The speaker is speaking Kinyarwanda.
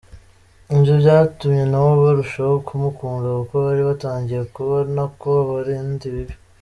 Ibyo byatumye nabo barushaho kumukunda kuko bari batangiye kubona ko abarinda ibibi.